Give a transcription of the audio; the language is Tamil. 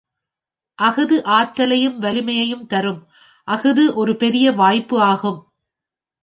அஃது ஆற்றலையும் வலிமையையும் தரும் அஃது ஒரு பெரிய வாய்ப்பு ஆகும்.